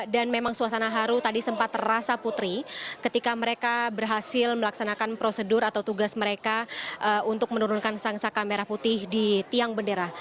dan memang suasana haru tadi sempat terasa putri ketika mereka berhasil melaksanakan prosedur atau tugas mereka untuk menurunkan sangsaka merah putih di tiang bendera